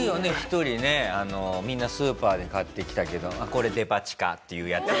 １人ねみんなスーパーで買ってきたけど「これデパ地下」っていうヤツが。